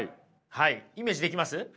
はいイメージできます？